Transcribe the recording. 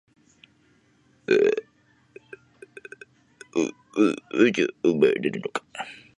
どちらが正解!?細いタイヤと太いタイヤ、太さを変えると走りに違いは生まれるのか？